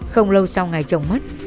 không lâu sau ngày chồng mất